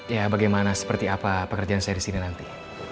ya bagaimana seperti apa pekerjaan saya di sini nanti